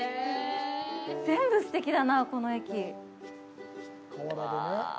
全部すてきだな、この駅。